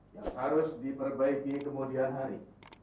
yang harus diperbaiki kemudian hari